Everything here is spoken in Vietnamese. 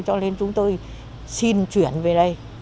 cho nên chúng tôi xin chuyển về đây